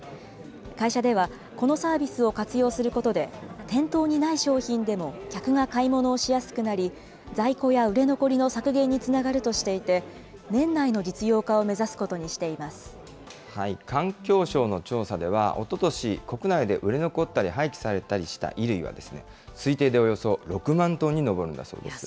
会社では、このサービスを活用することで、店頭にない商品でも、客が買い物をしやすくなり、在庫や売れ残りの削減につながるとしていて、年内の実用化を目指環境省の調査では、おととし、国内で売れ残ったり廃棄されたりした衣類は、推定でおよそ６万トンに上るんだそうです。